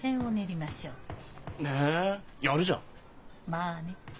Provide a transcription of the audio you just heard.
まあね。